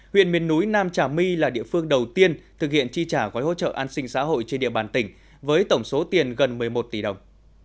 huyện miền núi nam trà my là địa phương đầu tiên thực hiện chi trả gói hỗ trợ an sinh xã hội trên địa bàn tỉnh với tổng số tiền gần một mươi một tỷ đồng